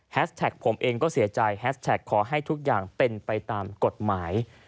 แท็กผมเองก็เสียใจแฮสแท็กขอให้ทุกอย่างเป็นไปตามกฎหมาย